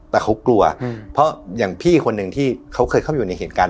แต่เขากลัวเพราะอย่างพี่คนหนึ่งที่เขาเคยเข้าไปอยู่ในเหตุการณ์